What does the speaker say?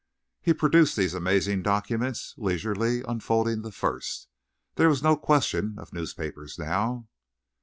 He produced these amazing documents, leisurely unfolding the first. There was no question of newspapers now.